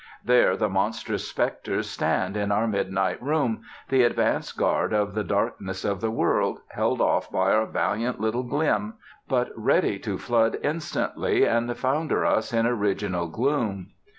There the monstrous specters stand in our midnight room, the advance guard of the darkness of the world, held off by our valiant little glim, but ready to flood instantly and founder us in original gloom.